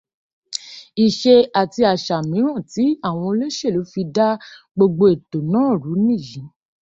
Ìṣe àti àṣà míràn tí àwọn olóṣèlú fi da gbogbo ètò náà rú nìyí.